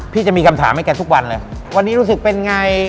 พี่จะมีคำถามให้แกทุกวันเลย